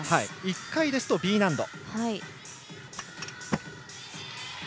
１回だとＢ難度。